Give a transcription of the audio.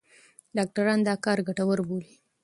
ډاکټران دا کار ګټور بولي.